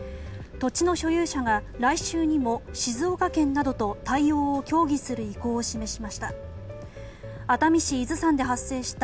土地の所有者が来週にも静岡県などと対応を協議する意向を示しました。